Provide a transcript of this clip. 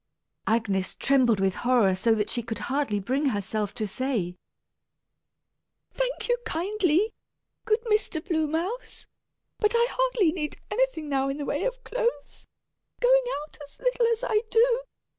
Agnes trembled with horror so that she could hardly bring herself to say, "Thank you kindly, good Mr. Blue Mouse, but I hardly need anything new in the way of clothes, going out as little as I do.